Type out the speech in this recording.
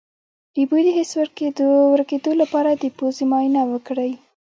د بوی د حس د ورکیدو لپاره د پوزې معاینه وکړئ